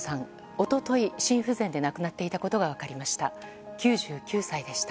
一昨日、心不全で亡くなっていたことが分かりました。